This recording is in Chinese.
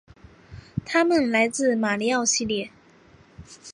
他们来自马里奥系列。